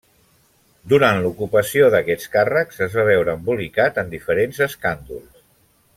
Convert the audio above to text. Durant l'ocupació d'aquests càrrecs es va veure embolicat en diferents escàndols.